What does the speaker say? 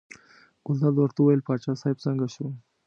ګلداد ورته وویل باچا صاحب څنګه شو.